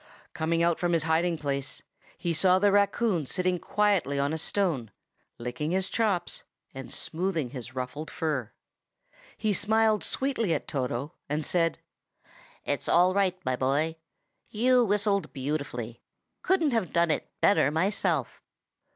Coming out from his hiding place, he saw the raccoon sitting quietly on a stone, licking his chops, and smoothing his ruffled fur. He smiled sweetly at Toto, and said, "It's all right, my boy! you whistled beautifully; couldn't have done it better myself!"